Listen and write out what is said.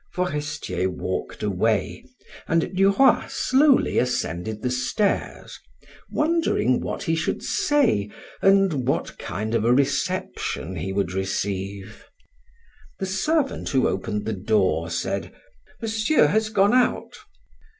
Forestier walked away, and Duroy slowly ascended the stairs, wondering what he should say and what kind of a reception he would receive. The servant who opened the door said: "Monsieur has gone out."